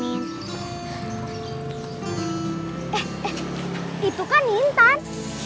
eh itu kan nintan